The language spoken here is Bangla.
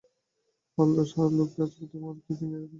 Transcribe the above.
কাল দশহরা, লোকে আজ হইতেই মুড়কি সন্দেশ কিনিয়া রাখিবে।